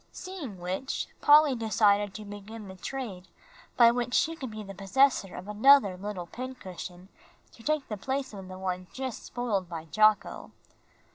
Seeing which, Polly decided to begin the trade by which she could be the possessor of another little pincushion to take the place of the one just spoiled by Jocko.